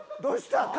どうした？